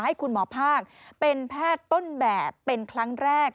ให้คุณหมอภาคเป็นแพทย์ต้นแบบเป็นครั้งแรก